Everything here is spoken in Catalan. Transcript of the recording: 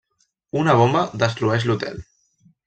Una bomba destrueix l'hotel.